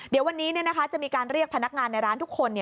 เดี๋ยววันนี้จะมีการเรียกพนักงานในร้านทุกคน